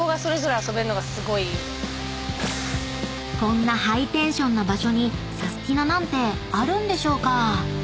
［こんなハイテンションな場所にサスティな！なんてあるんでしょうか？］